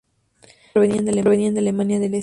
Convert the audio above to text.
Ambos provenían de Alemania del Este.